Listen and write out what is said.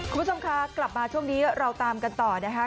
คุณผู้ชมคะกลับมาช่วงนี้เราตามกันต่อนะคะ